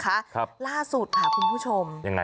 ครับอย่างไรล่าสุดค่ะคุณผู้ชม